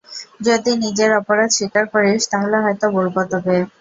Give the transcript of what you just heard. যদি নিজের অপরাধ স্বীকার করিস তাহলে হয়তো বলব তোকে।